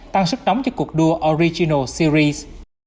tăng sức nóng cho cuộc đua original series